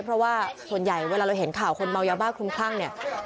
เพราะว่าส่วนใหญ่เวลาเราเห็นข่าวคนเมายาบ้าคลุมคลั่งเนี่ย